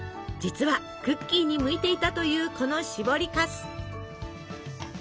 実はクッキーに向いていたというこのしぼりかす。